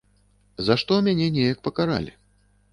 За што мяне неяк пакаралі.